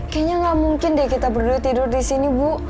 kayaknya nggak mungkin deh kita berdua tidur disini bu